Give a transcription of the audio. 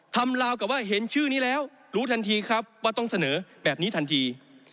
ลาวกับว่าเห็นชื่อนี้แล้วรู้ทันทีครับว่าต้องเสนอแบบนี้ทันที